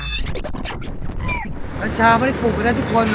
ชาไม่ได้ปลูกไปได้ทุกคน